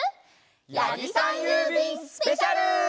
やぎさんゆうびんスペシャル！